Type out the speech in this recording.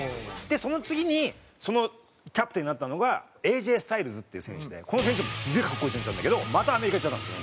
その次にそのキャプテンになったのがＡＪスタイルズっていう選手でこの選手もすげえ格好いい選手なんだけどまたアメリカ行っちゃったんですよ。